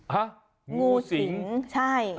หะงูสิงใช่งูสิง